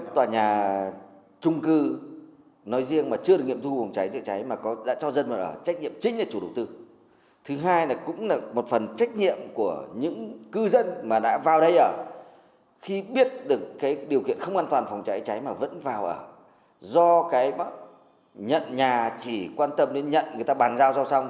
trong đó nhận nhà chỉ quan tâm đến nhận người ta bàn giao sau xong